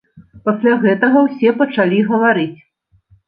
Пасля гэтага ўсе пачалі гаварыць.